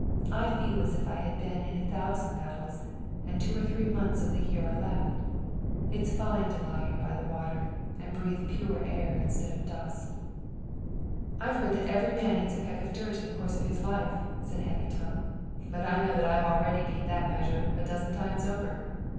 I feel as if I had been in a thousand battles, and two or three months of the year are left. It's fine to lie here by the water, and breathe pure air instead of dust." "I've heard that every man eats a peck of dirt in the course of his life," said Happy Tom, "but I know that I've already beat the measure a dozen times over.